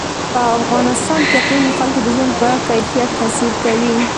په افغانستان کې اقلیم د خلکو د ژوند په کیفیت تاثیر کوي.